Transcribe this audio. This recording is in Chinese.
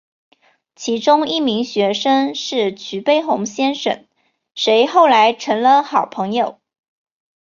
其中一名学生是徐悲鸿先生谁后来成了好朋友。